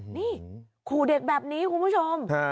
นี่ขู่เด็กแบบนี้คุณผู้ชม